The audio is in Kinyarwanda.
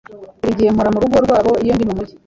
Buri gihe mpora murugo rwabo iyo ndi mumujyi.